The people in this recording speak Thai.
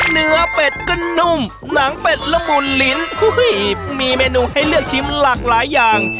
เนื้อเป็ดก็นุ่มหนังเป็ดละมุนลิ้นมีเมนูให้เลือกชิมหลากหลายอย่าง